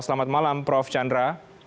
selamat malam prof chandra